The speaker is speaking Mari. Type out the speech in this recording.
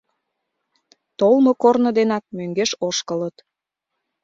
Толмо корно денак мӧҥгеш ошкылыт.